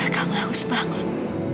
kamu harus bangun